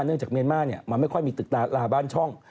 เนื่องจากเมรม่าเนี่ยมันไม่ค่อยมีตึกลาบ้านช่อง